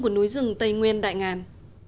của núi rừng tây nguyên đại ngàn